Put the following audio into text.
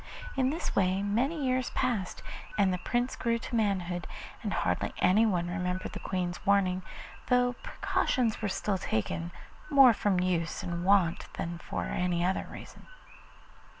In this way many years passed, and the Prince grew to manhood, and hardly anyone remembered the Queen's warning, though precautions were still taken, more from use and wont than for any other reason.